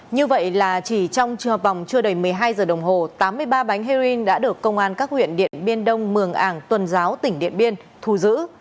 như vậy là chỉ trong vòng chưa đầy một mươi hai giờ đồng hồ tám mươi ba bánh heroin đã được công an các huyện điện biên đông mường ảng tuần giáo tỉnh điện biên thu giữ